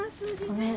ごめん。